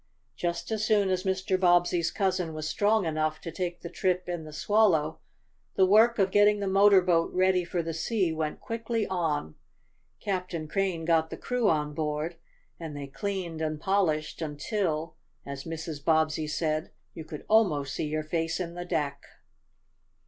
Just as soon as Mr. Bobbsey's cousin was strong enough to take the trip in the Swallow, the work of getting the motor boat ready for the sea went quickly on. Captain Crane got the crew on board, and they cleaned and polished until, as Mrs. Bobbsey said, you could almost see your face in the deck.